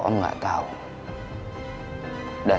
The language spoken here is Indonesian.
cara bisa ketahui beratnya